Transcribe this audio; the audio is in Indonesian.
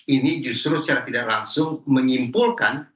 ini justru secara tidak langsung menyimpulkan